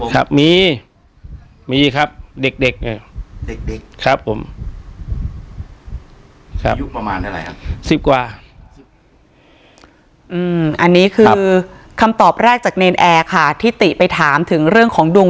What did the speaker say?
ข้าบมีมีครับเด็กครับผมสิบกว่าอันนี้คือคำตอบแรกจากแนนแอร์ขาดที่ติไปถามถึงเรื่องของดวง